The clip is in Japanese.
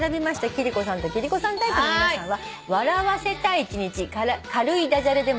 貴理子さんと貴理子さんタイプの皆さんは。